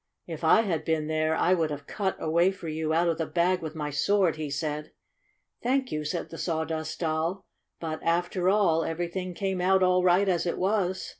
If I had been there I would have cut a way for you out of the bag with my sword !" he said. "Thank you," said the Sawdust Doll. "But, after all, everything came out all right as it was.